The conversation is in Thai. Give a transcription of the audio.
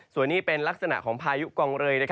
ส่วนนี้เป็นลักษณะของพายุกองเรย